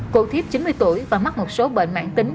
cụ thiếp chín mươi tuổi và mắc một số bệnh mạng tính